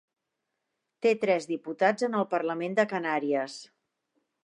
Té tres diputats en el Parlament de Canàries.